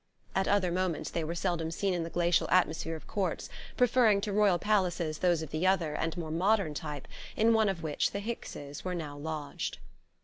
At other moments they were seldom seen in the glacial atmosphere of courts, preferring to royal palaces those of the other, and more modern type, in one of which the Hickses were now lodged.